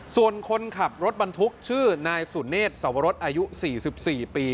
ส่วนคนขับรถบรรทุกชื่อนายสุเนธสวรสอายุ๔๔ปี